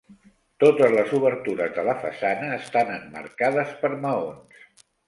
Totes les obertures de la façana estan emmarcades per maons.